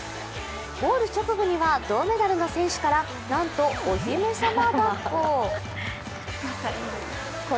ゴール直後には銅メダルの選手からなんとお姫様だっこ。